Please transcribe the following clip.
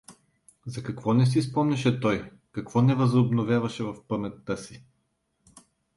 За какво не си спомняше той, какво невъзобновяваше в паметта си.